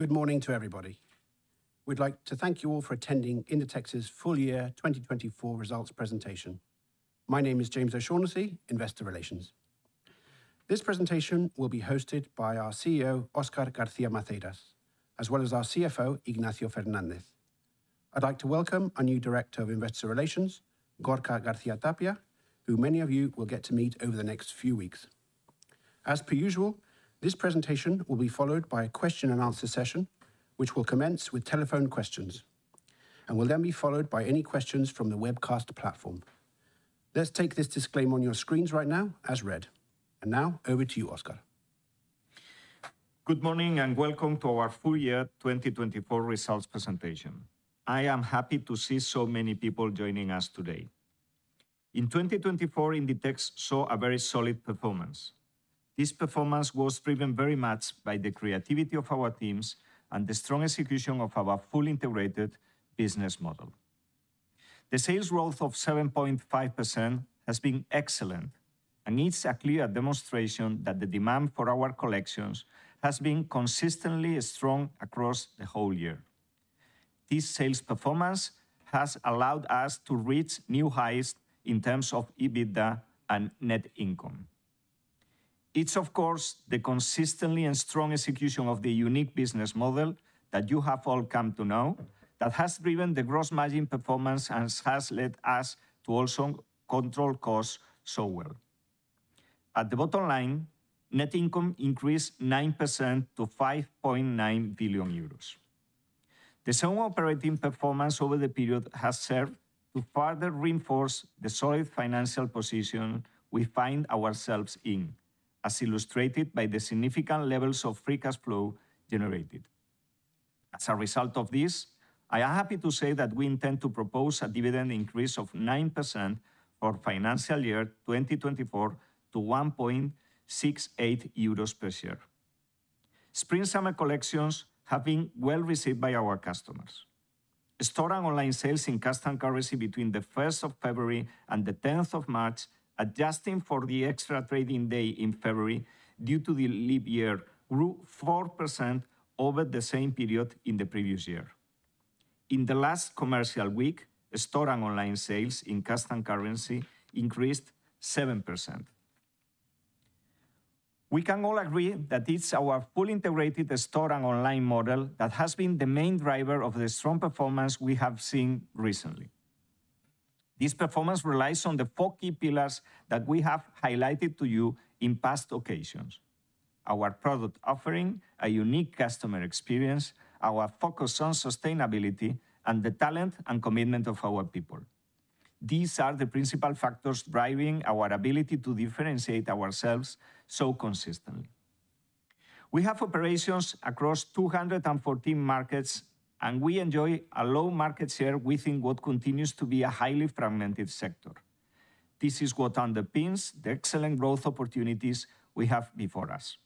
Good morning to everybody. We'd like to thank you all for attending Inditex's Full Year 2024 Results Presentation. My name is James O'Shaughnessy, Investor Relations. This presentation will be hosted by our CEO, Óscar García-Maceiras, as well as our CFO, Ignacio Fernández. I'd like to welcome our new Director of Investor Relations, Gorka García-Tapia, who many of you will get to meet over the next few weeks. As per usual, this presentation will be followed by a question-and-answer session, which will commence with telephone questions, and will then be followed by any questions from the webcast platform. Let's take this disclaimer on your screens right now as read. Now, over to you, Óscar. Good morning and welcome to our full year 2024 results presentation. I am happy to see so many people joining us today. In 2024, Inditex saw a very solid performance. This performance was driven very much by the creativity of our teams and the strong execution of our fully integrated business model. The sales growth of 7.5% has been excellent and is a clear demonstration that the demand for our collections has been consistently strong across the whole year. This sales performance has allowed us to reach new highs in terms of EBITDA and net income. It's, of course, the consistently and strong execution of the unique business model that you have all come to know that has driven the gross margin performance and has led us to also control costs so well. At the bottom line, net income increased 9% to 5.9 billion euros. The same operating performance over the period has served to further reinforce the solid financial position we find ourselves in, as illustrated by the significant levels of free cash flow generated. As a result of this, I am happy to say that we intend to propose a dividend increase of 9% for financial year 2024 to 1.68 euros per share. Spring-summer collections have been well received by our customers. Store and online sales in constant currency between the 1st of February and the 10th of March, adjusting for the extra trading day in February due to the leap year, grew 4% over the same period in the previous year. In the last commercial week, store and online sales in constant currency increased 7%. We can all agree that it's our fully integrated store and online model that has been the main driver of the strong performance we have seen recently. This performance relies on the four key pillars that we have highlighted to you in past occasions: our product offering, a unique customer experience, our focus on sustainability, and the talent and commitment of our people. These are the principal factors driving our ability to differentiate ourselves so consistently. We have operations across 214 markets, and we enjoy a low market share within what continues to be a highly fragmented sector. This is what underpins the excellent growth opportunities we have before us.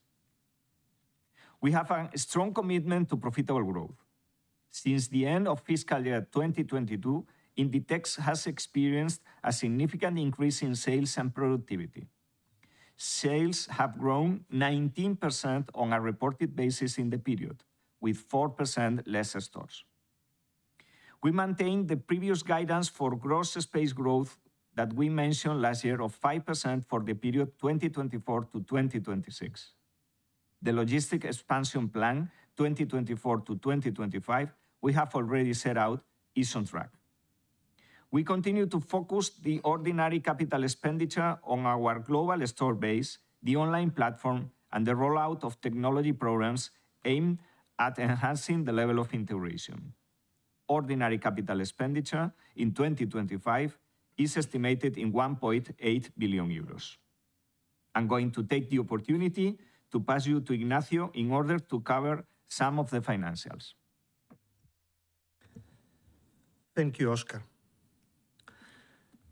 We have a strong commitment to profitable growth. Since the end of fiscal year 2022, Inditex has experienced a significant increase in sales and productivity. Sales have grown 19% on a reported basis in the period, with 4% less stores. We maintain the previous guidance for gross space growth that we mentioned last year of 5% for the period 2024 to 2026. The logistic expansion plan 2024 to 2025 we have already set out is on track. We continue to focus the ordinary capital expenditure on our global store base, the online platform, and the rollout of technology programs aimed at enhancing the level of integration. Ordinary capital expenditure in 2025 is estimated in 1.8 billion euros. I'm going to take the opportunity to pass you to Ignacio in order to cover some of the financials. Thank you, Óscar.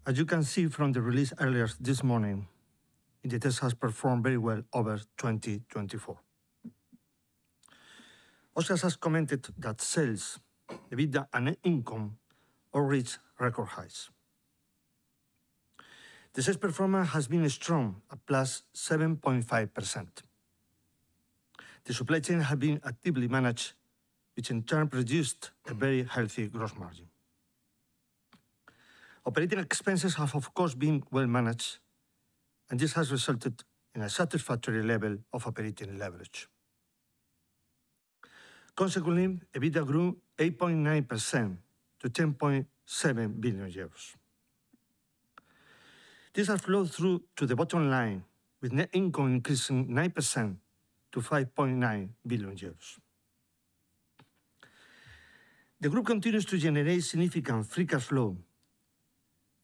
As you can see from the release earlier this morning, Inditex has performed very well over 2024. Óscar has commented that sales, EBITDA, and net income all reached record highs. The sales performance has been strong, at +7.5%. The supply chain has been actively managed, which in turn produced a very healthy gross margin. Operating expenses have, of course, been well managed, and this has resulted in a satisfactory level of operating leverage. Consequently, EBITDA grew 8.9% to EUR 10.7 billion. This has flowed through to the bottom line, with net income increasing 9% to 5.9 billion euros. The group continues to generate significant free cash flow,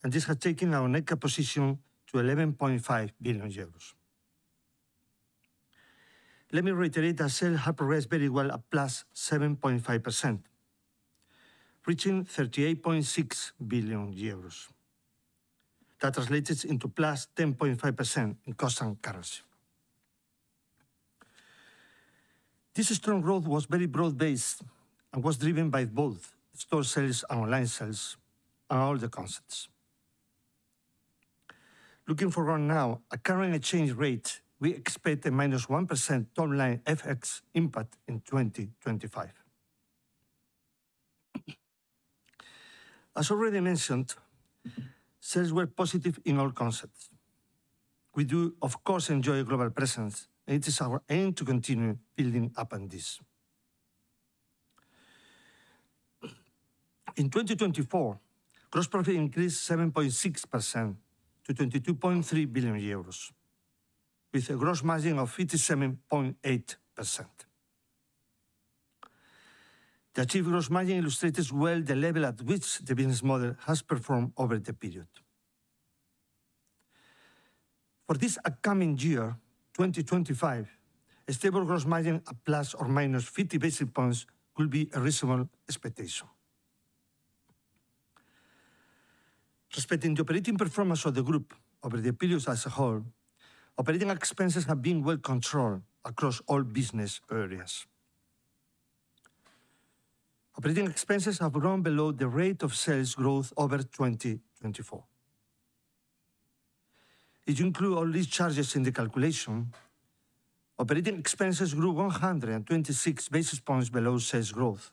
and this has taken our net cap position to 11.5 billion euros. Let me reiterate that sales have progressed very well at +7.5%, reaching 38.6 billion euros. That translates into +10.5% in constant currency. This strong growth was very broad-based and was driven by both store sales and online sales and all the concepts. Looking forward now, at current exchange rate, we expect a -1% total line FX impact in 2025. As already mentioned, sales were positive in all concepts. We do, of course, enjoy a global presence, and it is our aim to continue building upon this. In 2024, gross profit increased 7.6% to 22.3 billion euros, with a gross margin of 57.8%. The achieved gross margin illustrates well the level at which the business model has performed over the period. For this upcoming year, 2025, a stable gross margin of plus or minus 50 basis points could be a reasonable expectation. Respecting the operating performance of the group over the period as a whole, operating expenses have been well controlled across all business areas. Operating expenses have grown below the rate of sales growth over 2024. If you include all these charges in the calculation, operating expenses grew 126 basis points below sales growth,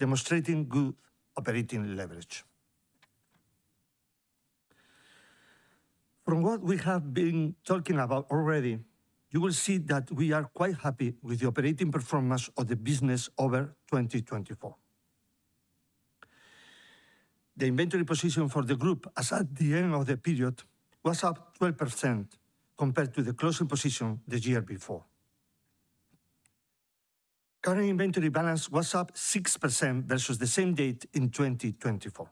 demonstrating good operating leverage. From what we have been talking about already, you will see that we are quite happy with the operating performance of the business over 2024. The inventory position for the group, as at the end of the period, was up 12% compared to the closing position the year before. Current inventory balance was up 6% versus the same date in 2024.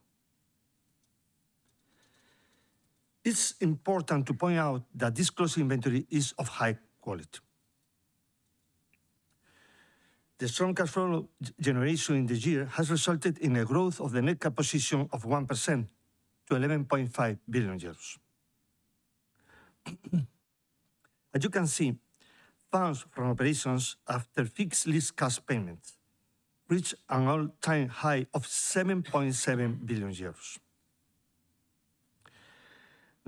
It's important to point out that this closing inventory is of high quality. The strong cash flow generation in the year has resulted in a growth of the net cap position of 1% to 11.5 billion euros. As you can see, funds from operations after fixed lease cash payments reached an all-time high of 7.7 billion euros.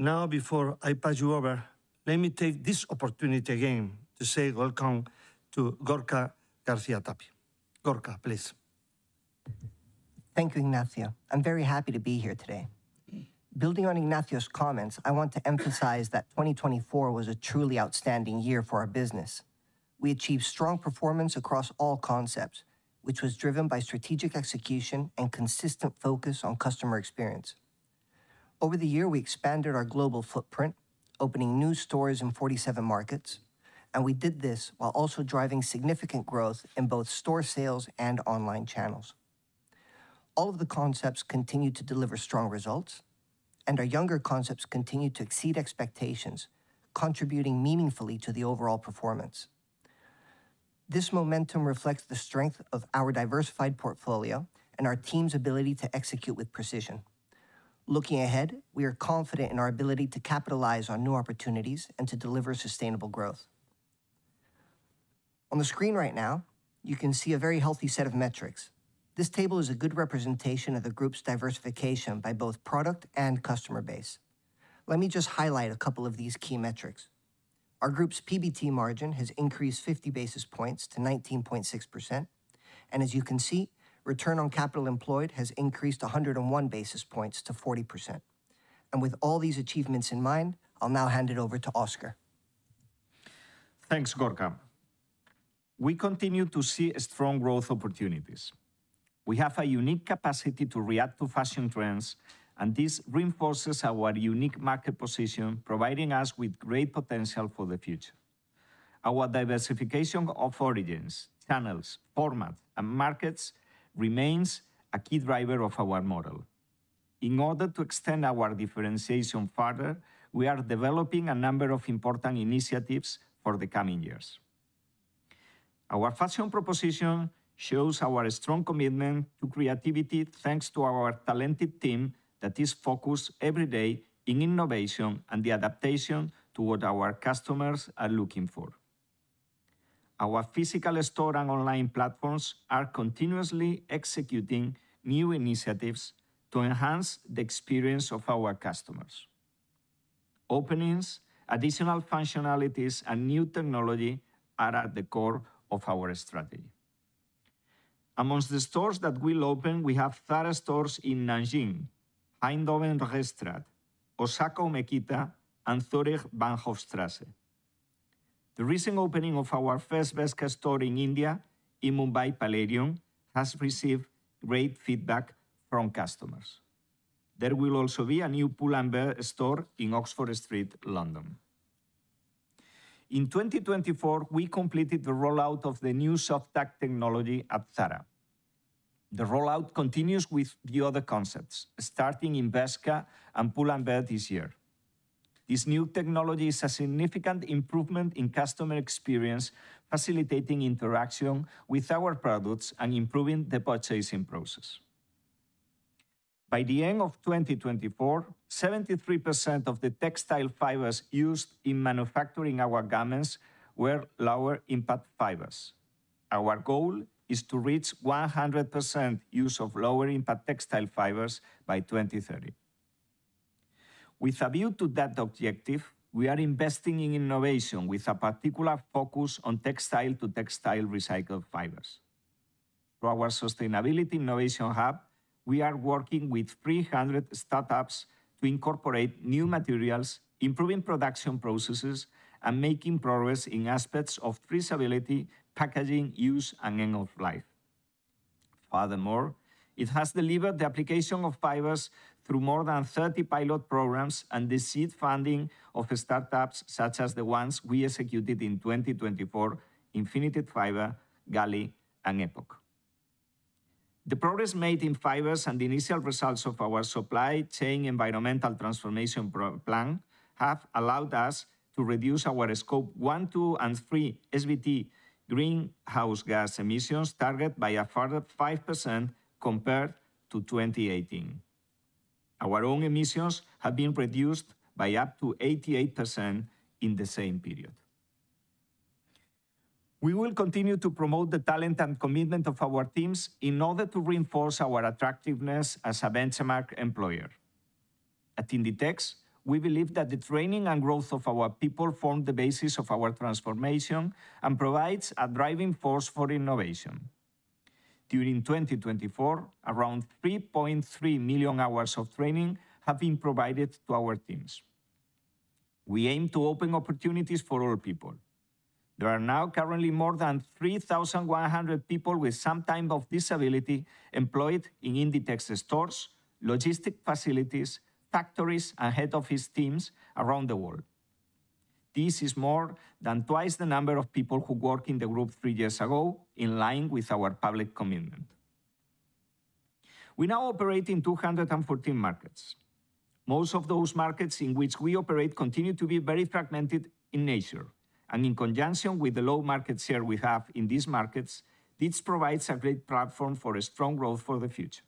Now, before I pass you over, let me take this opportunity again to say welcome to Gorka García-Tapia. Gorka, please. Thank you, Ignacio. I'm very happy to be here today. Building on Ignacio's comments, I want to emphasize that 2024 was a truly outstanding year for our business. We achieved strong performance across all concepts, which was driven by strategic execution and consistent focus on customer experience. Over the year, we expanded our global footprint, opening new stores in 47 markets, and we did this while also driving significant growth in both store sales and online channels. All of the concepts continue to deliver strong results, and our younger concepts continue to exceed expectations, contributing meaningfully to the overall performance. This momentum reflects the strength of our diversified portfolio and our team's ability to execute with precision. Looking ahead, we are confident in our ability to capitalize on new opportunities and to deliver sustainable growth. On the screen right now, you can see a very healthy set of metrics. This table is a good representation of the group's diversification by both product and customer base. Let me just highlight a couple of these key metrics. Our group's PBT margin has increased 50 basis points to 19.6%, and as you can see, return on capital employed has increased 101 basis points to 40%. With all these achievements in mind, I'll now hand it over to Óscar. Thanks, Gorka. We continue to see strong growth opportunities. We have a unique capacity to react to fashion trends, and this reinforces our unique market position, providing us with great potential for the future. Our diversification of origins, channels, formats, and markets remains a key driver of our model. In order to extend our differentiation further, we are developing a number of important initiatives for the coming years. Our fashion proposition shows our strong commitment to creativity, thanks to our talented team that is focused every day on innovation and the adaptation to what our customers are looking for. Our physical store and online platforms are continuously executing new initiatives to enhance the experience of our customers. Openings, additional functionalities, and new technology are at the core of our strategy. Amongst the stores that will open, we have third stores in Nanjing, Eindhoven Rechtestraat, Osaka Makita, and Zurich Bahnhofstrasse. The recent opening of our first Bershka store in India, in Mumbai Palladium, has received great feedback from customers. There will also be a new Pull&Bear store in Oxford Street, London. In 2024, we completed the rollout of the new Softag technology at Zara. The rollout continues with the other concepts, starting in Bershka and Pull&Bear this year. This new technology is a significant improvement in customer experience, facilitating interaction with our products and improving the purchasing process. By the end of 2024, 73% of the textile fibers used in manufacturing our garments were lower impact fibers. Our goal is to reach 100% use of lower impact textile fibers by 2030. With a view to that objective, we are investing in innovation with a particular focus on textile-to-textile recycled fibers. Through our sustainability innovation hub, we are working with 300 startups to incorporate new materials, improving production processes and making progress in aspects of traceability, packaging use, and end of life. Furthermore, it has delivered the application of fibers through more than 30 pilot programs and the seed funding of startups such as the ones we executed in 2024: Infinited Fiber, Galy, and Epoch. The progress made in fibers and the initial results of our supply chain environmental transformation plan have allowed us to reduce our scope 1, 2, and 3 greenhouse gas emissions target by a further 5% compared to 2018. Our own emissions have been reduced by up to 88% in the same period. We will continue to promote the talent and commitment of our teams in order to reinforce our attractiveness as a benchmark employer. At Inditex, we believe that the training and growth of our people form the basis of our transformation and provide a driving force for innovation. During 2024, around 3.3 million hours of training have been provided to our teams. We aim to open opportunities for all people. There are now currently more than 3,100 people with some type of disability employed in Inditex stores, logistic facilities, factories, and head office teams around the world. This is more than twice the number of people who worked in the group three years ago, in line with our public commitment. We now operate in 214 markets. Most of those markets in which we operate continue to be very fragmented in nature, and in conjunction with the low market share we have in these markets, this provides a great platform for strong growth for the future.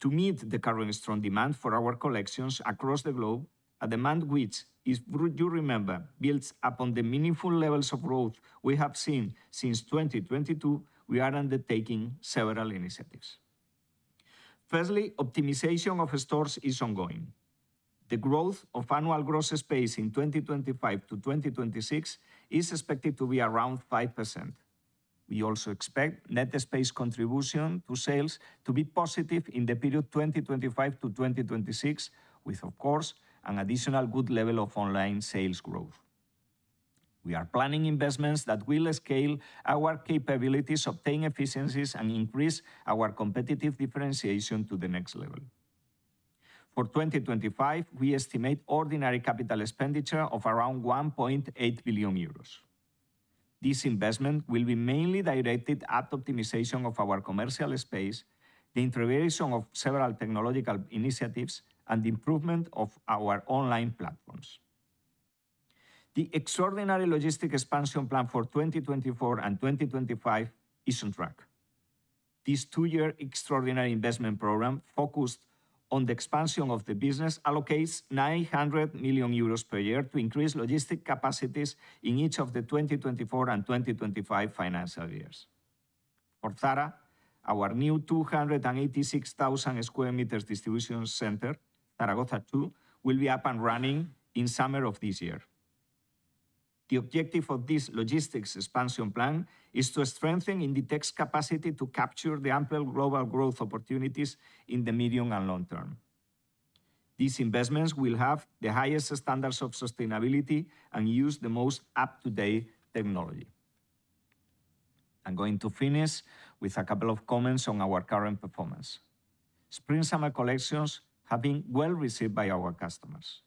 To meet the current strong demand for our collections across the globe, a demand which, if you remember, builds upon the meaningful levels of growth we have seen since 2022, we are undertaking several initiatives. Firstly, optimization of stores is ongoing. The growth of annual gross space in 2025-2026 is expected to be around 5%. We also expect net space contribution to sales to be positive in the period 2025-2026, with, of course, an additional good level of online sales growth. We are planning investments that will scale our capabilities, obtain efficiencies, and increase our competitive differentiation to the next level. For 2025, we estimate ordinary capital expenditure of around 1.8 billion euros. This investment will be mainly directed at optimization of our commercial space, the integration of several technological initiatives, and the improvement of our online platforms. The extraordinary logistic expansion plan for 2024 and 2025 is on track. This two-year extraordinary investment program focused on the expansion of the business allocates 900 million euros per year to increase logistic capacities in each of the 2024 and 2025 financial years. For Zara, our new 286,000 square meters distribution center, Zaragoza II, will be up and running in summer of this year. The objective of this logistics expansion plan is to strengthen Inditex's capacity to capture the ample global growth opportunities in the medium and long term. These investments will have the highest standards of sustainability and use the most up-to-date technology. I'm going to finish with a couple of comments on our current performance. Spring summer collections have been well received by our customers.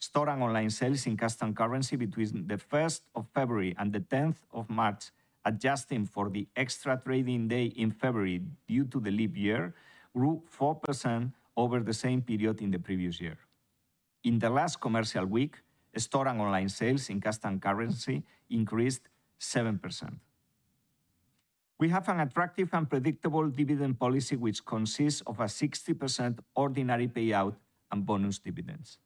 Store and online sales in custom currency between the 1st of February and the 10th of March, adjusting for the extra trading day in February due to the leap year, grew 4% over the same period in the previous year. In the last commercial week, store and online sales in custom currency increased 7%. We have an attractive and predictable dividend policy, which consists of a 60% ordinary payout and bonus dividends.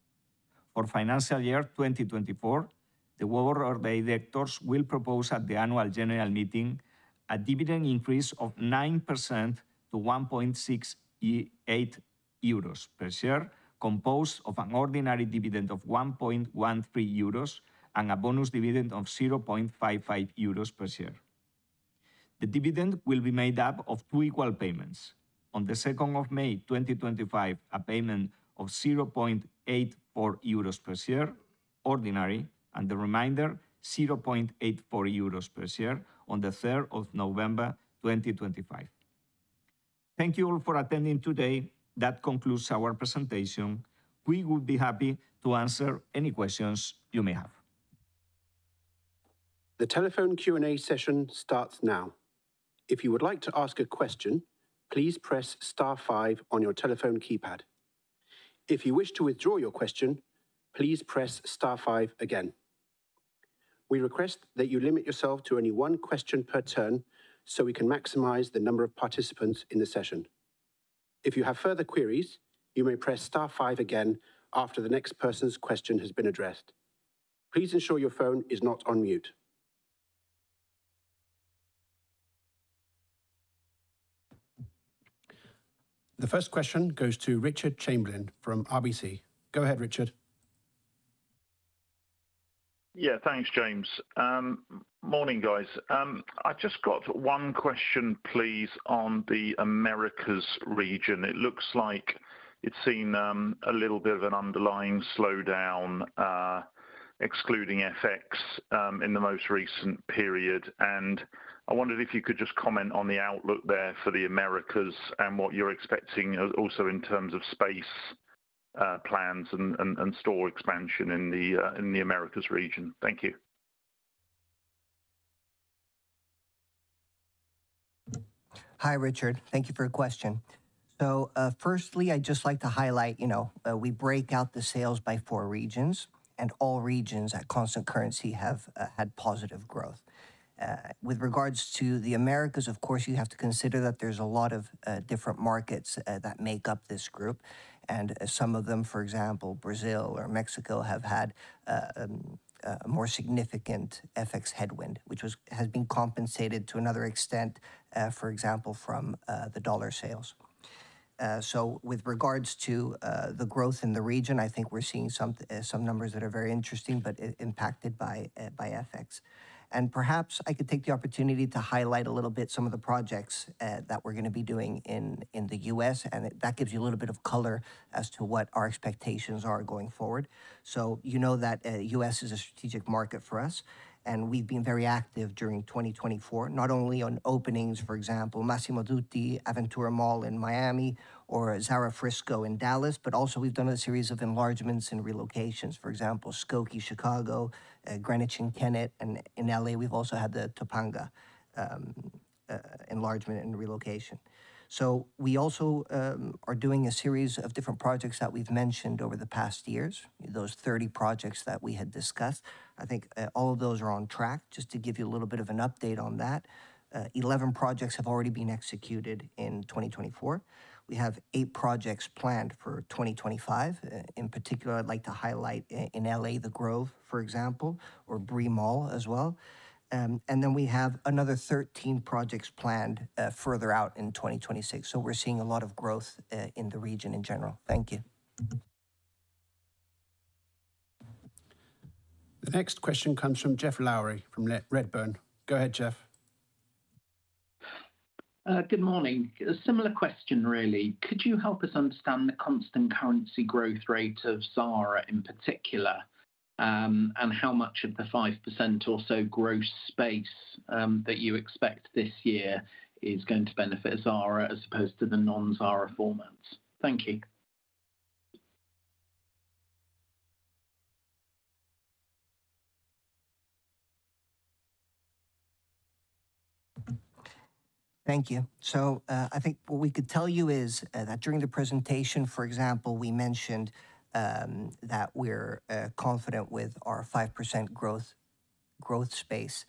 For financial year 2024, the Board of Directors will propose at the annual general meeting a dividend increase of 9% to 1.68 euros per share, composed of an ordinary dividend of 1.13 euros and a bonus dividend of 0.55 euros per share. The dividend will be made up of two equal payments. On the 2nd of May 2025, a payment of 0.84 euros per share, ordinary, and the remainder, 0.84 euros per share, on the 3rd of November 2025. Thank you all for attending today. That concludes our presentation. We would be happy to answer any questions you may have. The telephone Q&A session starts now. If you would like to ask a question, please press star five on your telephone keypad. If you wish to withdraw your question, please press star five again. We request that you limit yourself to only one question per turn so we can maximize the number of participants in the session. If you have further queries, you may press star five again after the next person's question has been addressed. Please ensure your phone is not on mute. The first question goes to Richard Chamberlain from RBC. Go ahead, Richard. Yeah, thanks, James. Morning, guys. I just got one question, please, on the Americas region. It looks like it's seen a little bit of an underlying slowdown, excluding FX, in the most recent period. I wondered if you could just comment on the outlook there for the Americas and what you're expecting also in terms of space plans and store expansion in the Americas region. Thank you. Hi, Richard. Thank you for your question. Firstly, I'd just like to highlight, you know, we break out the sales by four regions, and all regions at constant currency have had positive growth. With regards to the Americas, of course, you have to consider that there's a lot of different markets that make up this group. Some of them, for example, Brazil or Mexico, have had a more significant FX headwind, which has been compensated to another extent, for example, from the dollar sales. With regards to the growth in the region, I think we're seeing some numbers that are very interesting but impacted by FX. Perhaps I could take the opportunity to highlight a little bit some of the projects that we're going to be doing in the US, and that gives you a little bit of color as to what our expectations are going forward. You know that the U.S. is a strategic market for us, and we've been very active during 2024, not only on openings, for example, Massimo Dutti Aventura Mall in Miami or Zara Frisco in Dallas, but also we've done a series of enlargements and relocations, for example, Skokie, Chicago, Greenwich, and Kennett, and in LA, we've also had the Topanga enlargement and relocation. We also are doing a series of different projects that we've mentioned over the past years, those 30 projects that we had discussed. I think all of those are on track. Just to give you a little bit of an update on that, 11 projects have already been executed in 2024. We have eight projects planned for 2025. In particular, I'd like to highlight in LA The Grove, for example, or Brea Mall as well. We have another 13 projects planned further out in 2026. We are seeing a lot of growth in the region in general. Thank you. The next question comes from Geoff Lowery from Redburn. Go ahead, Geoff. Good morning. A similar question, really. Could you help us understand the constant currency growth rate of Zara in particular, and how much of the 5% or so gross space that you expect this year is going to benefit Zara as opposed to the non-Zara formats? Thank you. Thank you. I think what we could tell you is that during the presentation, for example, we mentioned that we're confident with our 5% growth space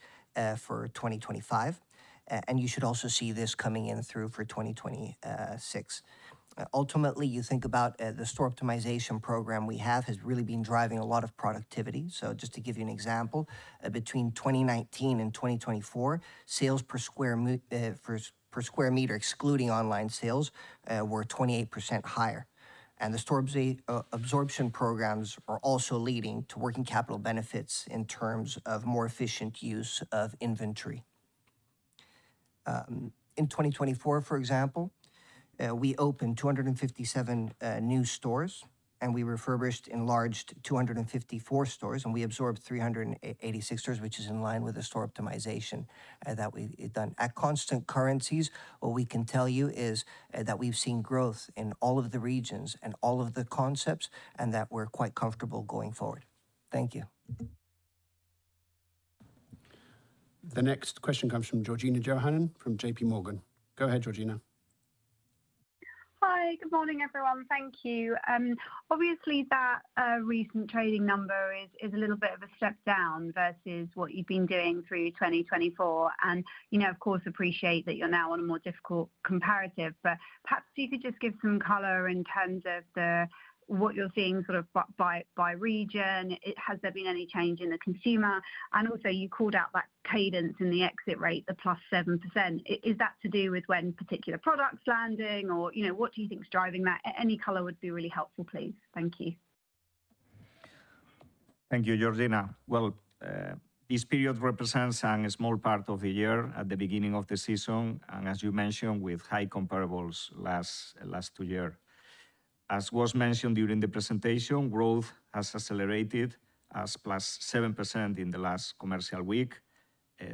for 2025, and you should also see this coming in through for 2026. Ultimately, you think about the store optimization program we have has really been driving a lot of productivity. Just to give you an example, between 2019 and 2024, sales per square meter excluding online sales were 28% higher. The store absorption programs are also leading to working capital benefits in terms of more efficient use of inventory. In 2024, for example, we opened 257 new stores, and we refurbished, enlarged 254 stores, and we absorbed 386 stores, which is in line with the store optimization that we've done. At constant currencies, what we can tell you is that we've seen growth in all of the regions and all of the concepts, and that we're quite comfortable going forward. Thank you. The next question comes from Georgina Johanan from JPMorgan. Go ahead, Georgina. Hi, good morning, everyone. Thank you. Obviously, that recent trading number is a little bit of a step down versus what you've been doing through 2024. You know, of course, appreciate that you're now on a more difficult comparative, but perhaps you could just give some color in terms of what you're seeing sort of by region. Has there been any change in the consumer? Also, you called out that cadence in the exit rate, the plus 7%. Is that to do with when particular products landing? You know, what do you think is driving that? Any color would be really helpful, please. Thank you. Thank you, Georgina. This period represents a small part of the year at the beginning of the season, and as you mentioned, with high comparables last two years. As was mentioned during the presentation, growth has accelerated as plus 7% in the last commercial week.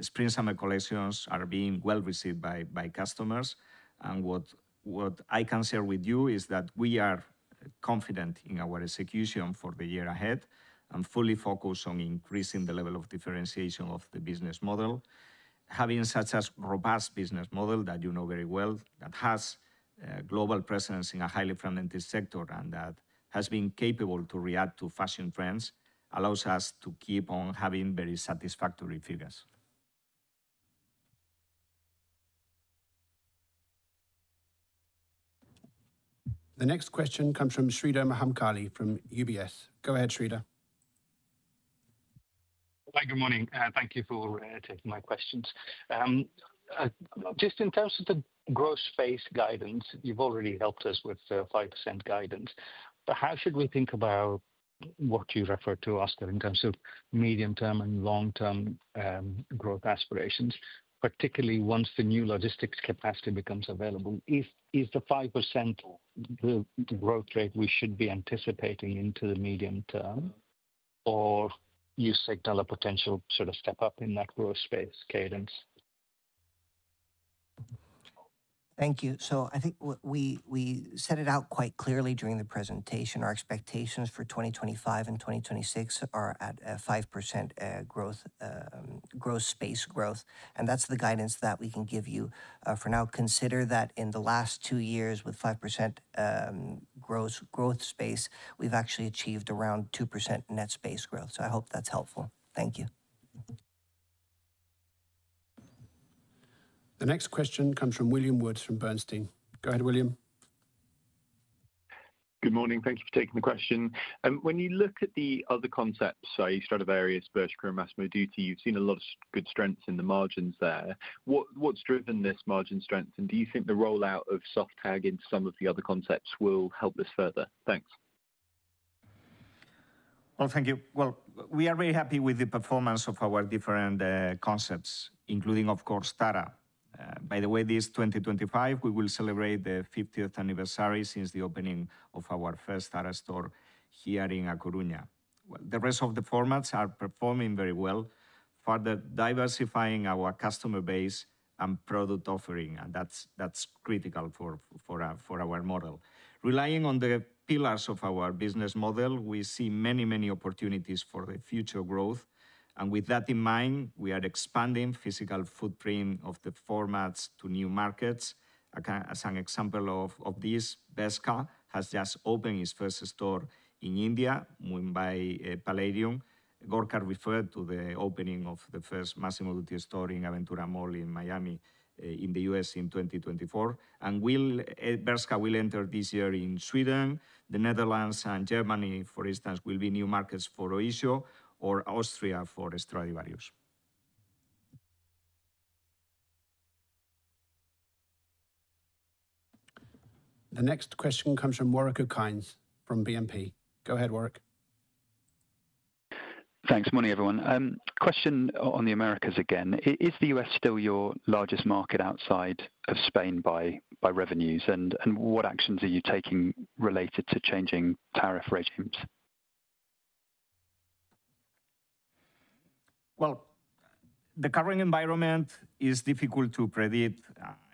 Spring summer collections are being well received by customers. What I can share with you is that we are confident in our execution for the year ahead and fully focused on increasing the level of differentiation of the business model. Having such a robust business model that you know very well, that has a global presence in a highly fragmented sector and that has been capable to react to fashion trends, allows us to keep on having very satisfactory figures. The next question comes from Sreedhar Mahamkali from UBS. Go ahead, Sreedhar. Hi, good morning. Thank you for taking my questions. Just in terms of the gross space guidance, you've already helped us with the 5% guidance. How should we think about what you referred to, Óscar, in terms of medium-term and long-term growth aspirations, particularly once the new logistics capacity becomes available? Is the 5% the growth rate we should be anticipating into the medium term, or you signal a potential sort of step up in that growth space cadence? Thank you. I think we set it out quite clearly during the presentation. Our expectations for 2025 and 2026 are at 5% growth, gross space growth. That is the guidance that we can give you for now. Consider that in the last two years with 5% gross growth space, we have actually achieved around 2% net space growth. I hope that is helpful. Thank you. The next question comes from William Woods from Bernstein. Go ahead, William. Good morning. Thank you for taking the question. When you look at the other concepts, so Stradivarius, Bershka, and Massimo Dutti, you've seen a lot of good strengths in the margins there. What's driven this margin strength? Do you think the rollout of Softag into some of the other concepts will help us further? Thanks. Thank you. We are very happy with the performance of our different concepts, including, of course, Zara. By the way, this 2025, we will celebrate the 50th anniversary since the opening of our first Zara store here in A Coruña. The rest of the formats are performing very well, further diversifying our customer base and product offering, and that's critical for our model. Relying on the pillars of our business model, we see many, many opportunities for future growth. With that in mind, we are expanding physical footprint of the formats to new markets. As an example of this, Bershka has just opened its first store in India, Mumbai Palladium. Gorka referred to the opening of the first Massimo Dutti store in Aventura Mall in Miami in the US in 2024. Bershka will enter this year in Sweden. The Netherlands and Germany, for instance, will be new markets for Oysho or Austria for Stradivarius. The next question comes from Warwick Okines from BNP. Go ahead, Warwick. Thanks. Morning, everyone. Question on the Americas again. Is the U.S. still your largest market outside of Spain by revenues, and what actions are you taking related to changing tariff regimes? The current environment is difficult to predict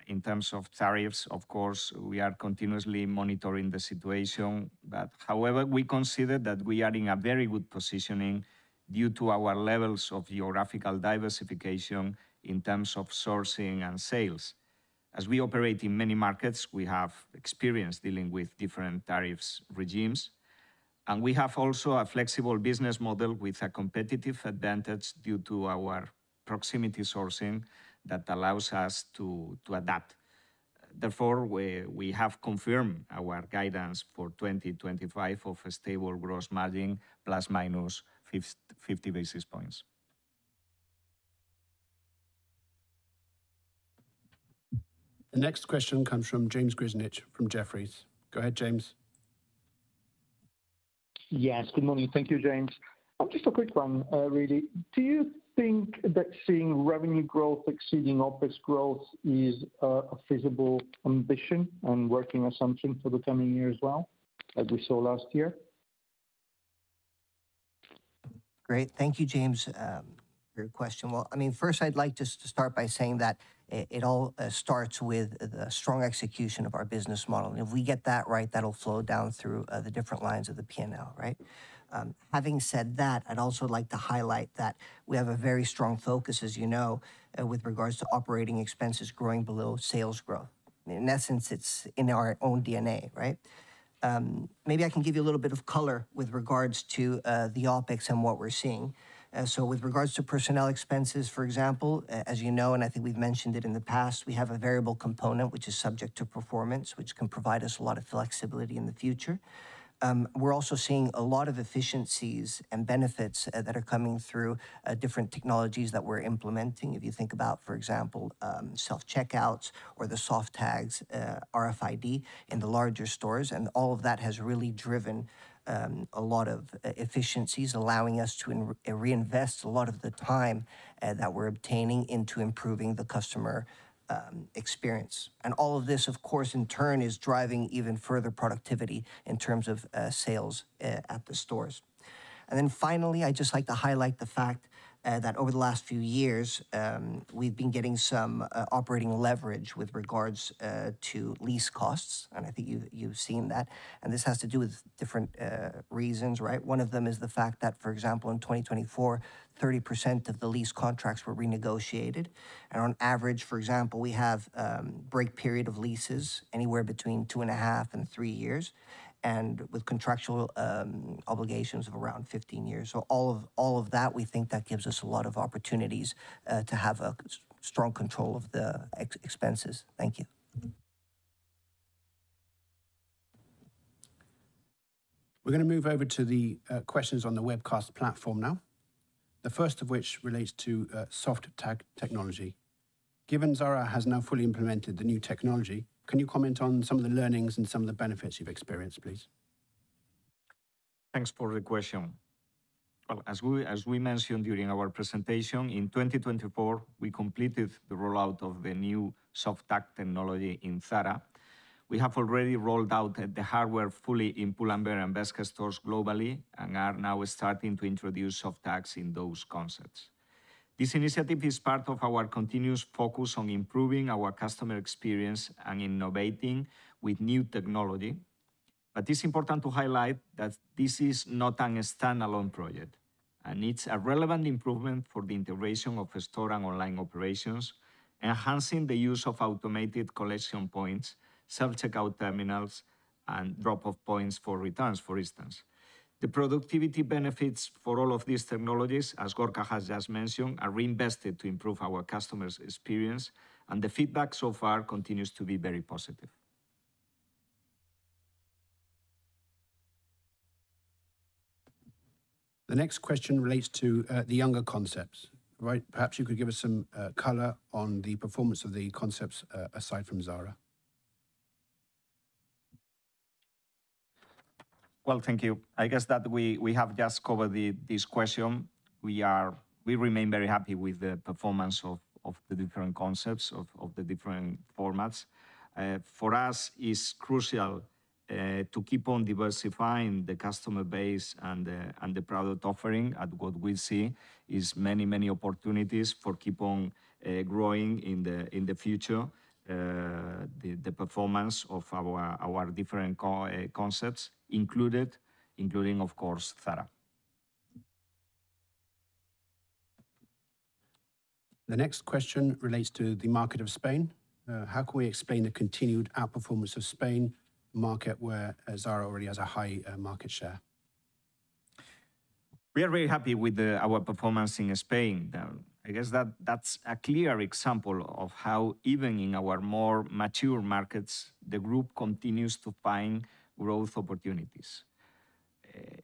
in terms of tariffs. Of course, we are continuously monitoring the situation. However, we consider that we are in a very good position due to our levels of geographical diversification in terms of sourcing and sales. As we operate in many markets, we have experience dealing with different tariff regimes. We have also a flexible business model with a competitive advantage due to our proximity sourcing that allows us to adapt. Therefore, we have confirmed our guidance for 2025 of a stable gross margin plus minus 50 basis points. The next question comes from James Grzinic from Jefferies. Go ahead, James. Yes, good morning. Thank you, James. Just a quick one, really. Do you think that seeing revenue growth exceeding office growth is a feasible ambition and working assumption for the coming year as well, as we saw last year? Great. Thank you, James, for your question. I mean, first, I'd like to start by saying that it all starts with the strong execution of our business model. If we get that right, that'll flow down through the different lines of the P&L, right? Having said that, I'd also like to highlight that we have a very strong focus, as you know, with regards to operating expenses growing below sales growth. In essence, it's in our own DNA, right? Maybe I can give you a little bit of color with regards to the OpEx and what we're seeing. With regards to personnel expenses, for example, as you know, and I think we've mentioned it in the past, we have a variable component, which is subject to performance, which can provide us a lot of flexibility in the future. We're also seeing a lot of efficiencies and benefits that are coming through different technologies that we're implementing. If you think about, for example, self-checkouts or the Softag's RFID in the larger stores, all of that has really driven a lot of efficiencies, allowing us to reinvest a lot of the time that we're obtaining into improving the customer experience. All of this, of course, in turn, is driving even further productivity in terms of sales at the stores. Finally, I'd just like to highlight the fact that over the last few years, we've been getting some operating leverage with regards to lease costs, and I think you've seen that. This has to do with different reasons, right? One of them is the fact that, for example, in 2024, 30% of the lease contracts were renegotiated. On average, for example, we have a break period of leases anywhere between two and a half and three years, and with contractual obligations of around 15 years. All of that, we think that gives us a lot of opportunities to have a strong control of the expenses. Thank you. We're going to move over to the questions on the webcast platform now, the first of which relates to Softag technology. Given Zara has now fully implemented the new technology, can you comment on some of the learnings and some of the benefits you've experienced, please? Thanks for the question. As we mentioned during our presentation, in 2024, we completed the rollout of the new Softag technology in Zara. We have already rolled out the hardware fully in Pull&Bear and Bershka stores globally and are now starting to introduce Softags in those concepts. This initiative is part of our continuous focus on improving our customer experience and innovating with new technology. It is important to highlight that this is not a standalone project, and it is a relevant improvement for the integration of store and online operations, enhancing the use of automated collection points, self-checkout terminals, and drop-off points for returns, for instance. The productivity benefits for all of these technologies, as Gorka has just mentioned, are reinvested to improve our customers' experience, and the feedback so far continues to be very positive. The next question relates to the younger concepts, right? Perhaps you could give us some color on the performance of the concepts aside from Zara. Thank you. I guess that we have just covered this question. We remain very happy with the performance of the different concepts of the different formats. For us, it's crucial to keep on diversifying the customer base and the product offering at what we see is many, many opportunities for keep on growing in the future, the performance of our different concepts included, including, of course, Zara. The next question relates to the market of Spain. How can we explain the continued outperformance of Spain market where Zara already has a high market share? We are very happy with our performance in Spain. I guess that's a clear example of how even in our more mature markets, the group continues to find growth opportunities.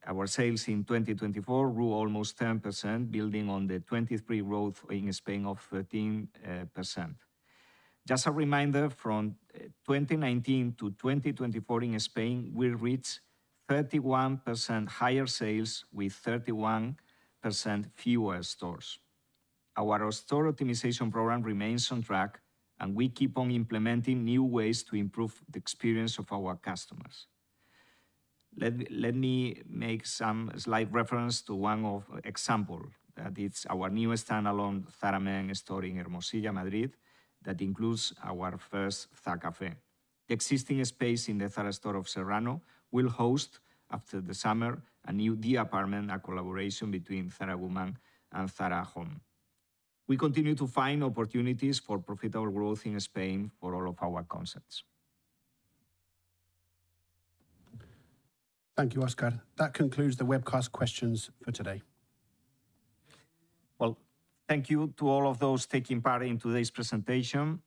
Our sales in 2024 grew almost 10%, building on the 2023 growth in Spain of 13%. Just a reminder, from 2019 to 2024 in Spain, we reached 31% higher sales with 31% fewer stores. Our store optimization program remains on track, and we keep on implementing new ways to improve the experience of our customers. Let me make some slight reference to one example that is our new standalone Zara Men store in Hermosilla, Madrid, that includes our first Zara Café. The existing space in the Zara store of Serrano will host, after the summer, a new D apartment, a collaboration between Zara Woman and Zara Home. We continue to find opportunities for profitable growth in Spain for all of our concepts. Thank you, Óscar. That concludes the webcast questions for today. Thank you to all of those taking part in today's presentation.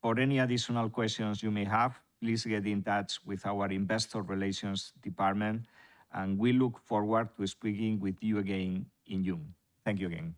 For any additional questions you may have, please get in touch with our investor relations department, and we look forward to speaking with you again in June. Thank you again.